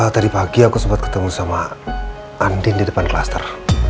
tadi pagi aku sempat ketemu sama andin di depan klaster